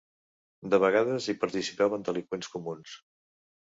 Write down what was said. De vegades hi participaven delinqüents comuns.